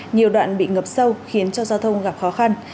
nhiều đoạn bị ngập sâu khiến cho giao thông gặp khó khăn